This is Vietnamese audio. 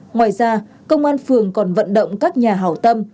ngoài ra công an phường còn vận động các nhà hảo tâm